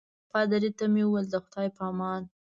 پادري ته مې وویل د خدای په امان.